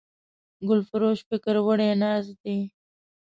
ګلفروش فکر وړی ناست دی